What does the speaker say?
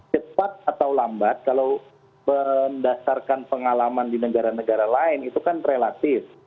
cepat atau lambat kalau mendasarkan pengalaman di negara negara lain itu kan relatif